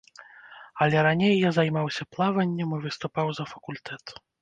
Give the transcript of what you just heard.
Але раней я займаўся плаваннем і выступаў за факультэт.